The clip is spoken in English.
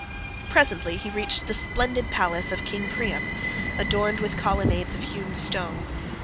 Presently he reached the splendid palace of King Priam, adorned with colonnades of hewn stone.